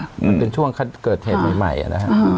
มันเป็นช่วงเกิดเหตุใหม่นะฮะ